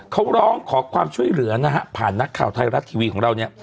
เขาร้องขอความช่วยเหลือนะฮะผ่านนักข่าวไทยรัฐทีวีของเราเนี่ย